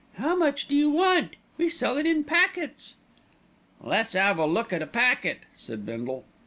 "How much do you want, we sell it in packets?" "Let's 'ave a look at a packet," said Bindle.